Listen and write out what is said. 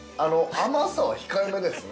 ◆甘さは控えめですね。